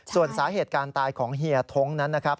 ส่วนสาเหตุการตายของเฮียท้งนั้นนะครับ